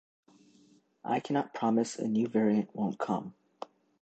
I cannot promise a new variant won’t come.